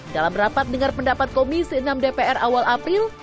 dalam rapat dengar pendapat komisi enam dpr awal april